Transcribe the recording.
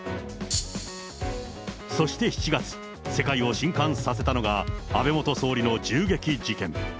そして７月、世界をしんかんさせたのが、安倍元総理の銃撃事件。